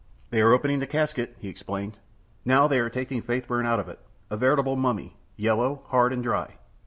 "They are opening the casket," he explained. "Now they are taking Faithburn out of it a veritable mummy, yellow, hard, and dry.